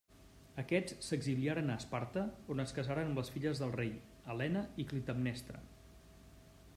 Aquests s'exiliaren a Esparta, on es casaren amb les filles del rei, Helena i Clitemnestra.